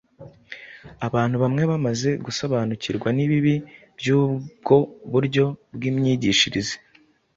Abantu bamwe bamaze gusobanukirwa n’ibibi by’ubwo buryo bw’imyigishirize,